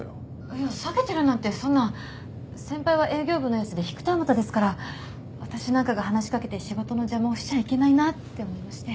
いや避けてるなんてそんな先輩は営業部のエースで引く手あまたですから私なんかが話しかけて仕事の邪魔をしちゃいけないなって思いまして。